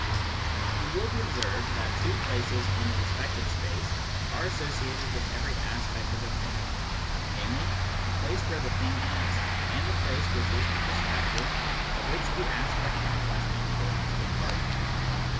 It will be observed that Pwo places in perspective space are associated with every aspect of a thing : namely, the place where the thing is, and the place which is the perspective of which the aspect in question forms part.